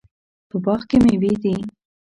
په باغ کې میوې دي